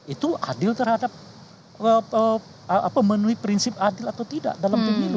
itu adil terhadap memenuhi prinsip adil atau tidak dalam pemilu